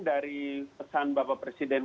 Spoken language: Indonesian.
dari pesan bapak presiden